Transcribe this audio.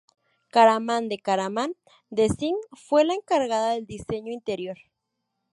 Kara Mann de Kara Mann Design fue la encargada del diseño interior.